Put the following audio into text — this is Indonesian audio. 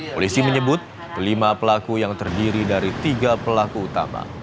polisi menyebut kelima pelaku yang terdiri dari tiga pelaku utama